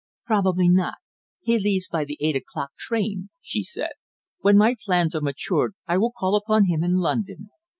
"Probably not. He leaves by the eight o'clock train," she said. "When my plans are matured I will call upon him in London."